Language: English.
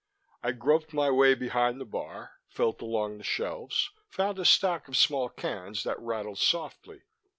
I groped my way behind the bar, felt along the shelves, found a stack of small cans that rattled softly.